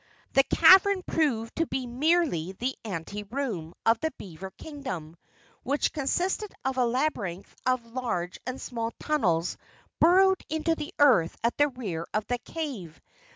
The cavern proved to be merely the ante room of the beaver kingdom, which consisted of a labyrinth of large and small tunnels burrowed into the earth at the rear of the cave.